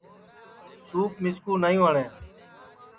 سُوپ مِسکُو نائیں وٹؔیں